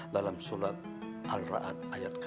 dalam surat al ra'ad ayat ke sebelas